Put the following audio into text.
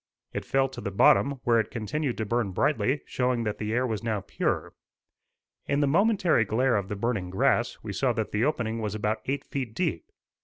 It fell to the bottom, where it continued to burn brightly, showing that the air was now pure. In the momentary glare of the burning grass, we saw that the opening was about eight feet deep.